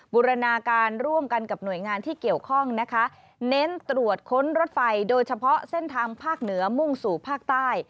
บูรณาการร่วมกันกับหน่วยงานที่เกี่ยวข้องนะคะเน้นตรวจค้นรถไฟโดยเฉพาะเส้นทางภาคเหนือมุ่งสู่ภาคใต้